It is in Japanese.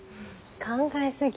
考え過ぎ。